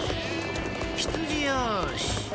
ひつじよし！